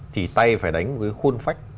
thì tay phải đánh một cái khuôn phách